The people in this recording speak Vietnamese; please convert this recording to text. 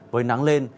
với nắng lên